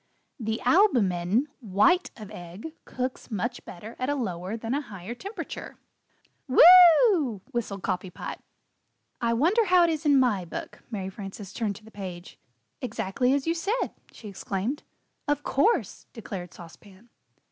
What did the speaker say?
the al bu men (white of egg) cooks much better at a lower than a higher temperature." [Illustration: Glancing loftily at Mary Frances] "Whew!" whistled Coffee Pot. "I wonder how it is in my book." Mary Frances turned to the page. "Exactly as you said!" she exclaimed. "Of course!" declared Sauce Pan.